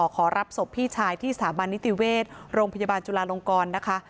ขอรับศพพี่ชายที่สถาบันนิติเวชโรงพยาบาลจุลาลงกรนะคะ